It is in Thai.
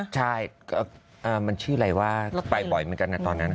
ใช่มันชื่ออะไรว่าไปบ่อยเหมือนกันนะตอนนั้น